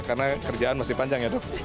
karena kerjaan masih panjang ya dok